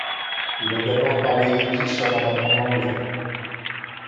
Il a d'abord parlé yiddish avant d'apprendre l'anglais.